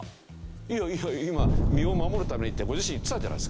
いやいや今「身を守るために」ってご自身で言ってたじゃないですか。